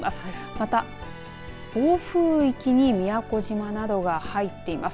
また、暴風域に宮古島などが入っています。